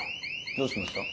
どうしました？